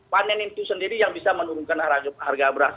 panen itu sendiri yang bisa menurunkan harga beras